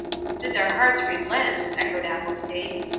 "Did their hearts relent!" echoed Athelstane.